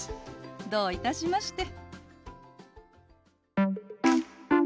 どういたしまして。